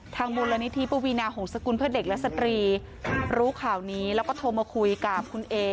มูลนิธิปวีนาหงษกุลเพื่อเด็กและสตรีรู้ข่าวนี้แล้วก็โทรมาคุยกับคุณเอ